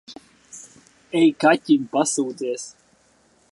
Ej, kaķim pasūdzies.